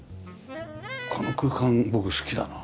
この空間僕好きだな。